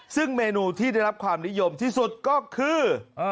ซึ่งเมนูที่ได้รับความนิยมที่สุดก็คือ